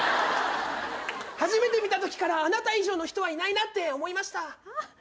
初めて見たときからあなた以上の人はいないと思いました。